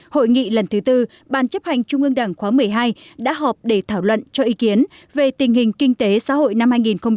hội nghị lần thứ tư bàn chấp hành trung ương đảng khóa một mươi hai đã họp để thảo luận cho ý kiến về tình hình kinh tế xã hội năm hai nghìn một mươi tám